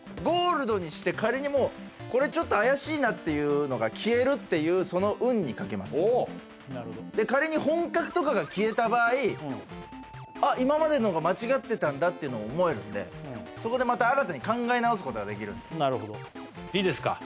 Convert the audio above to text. ゴールドにして仮にもうこれちょっと怪しいなっていうのが消えるっていうその運に賭けます仮に「本格」とかが消えた場合今までのが間違ってたんだっての思えるんでそこでまた新たに考え直すことができるんです